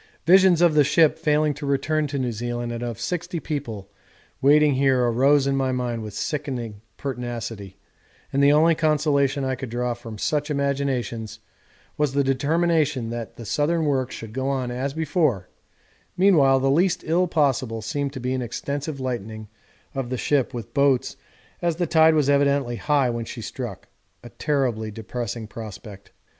Visions of the ship failing to return to New Zealand and of sixty people waiting here arose in my mind with sickening pertinacity, and the only consolation I could draw from such imaginations was the determination that the southern work should go on as before meanwhile the least ill possible seemed to be an extensive lightening of the ship with boats as the tide was evidently high when she struck a terribly depressing prospect.